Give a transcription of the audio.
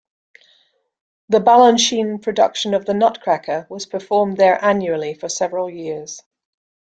The Balanchine production of "The Nutcracker" was performed there annually for several years.